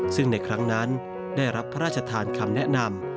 ซึ่งในครั้งนั้นได้รับพระราชทานคำแนะนำ